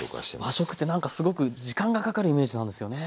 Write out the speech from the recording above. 和食ってなんかすごく時間がかかるイメージなんですよね。